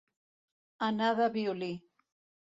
Anar de violí.